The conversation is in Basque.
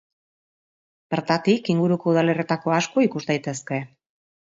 Bertatik inguruko udalerrietako asko ikus daitezke.